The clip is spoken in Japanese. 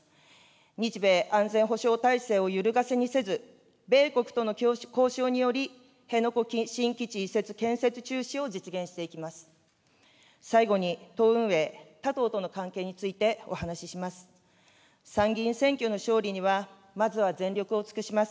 日米安全保障体制を揺るがせにせず、米国との交渉により辺野古新基地移設建設中止を実現していきます。